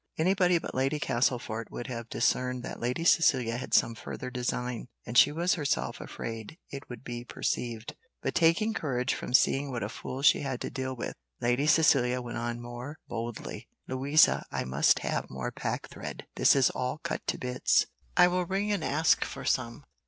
Any body but Lady Castlefort would have discerned that Lady Cecilia had some further design, and she was herself afraid it would be perceived; but taking courage from seeing what a fool she had to deal with, Lady Cecilia went on more boldly: "Louisa, I must have more packthread; this is all cut to bits." "I will ring and ask for some."